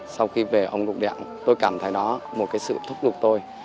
sau khi về ông lục đẹp tôi cảm thấy đó là một sự thúc đục tôi